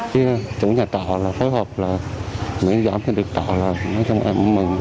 chứ chủ nhà trọ là phối hợp là miễn giảm cho được trọ là nói cho em mừng